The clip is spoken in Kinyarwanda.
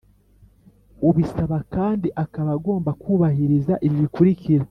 ubisaba kandi akaba agomba kubahiriza ibi bikurikira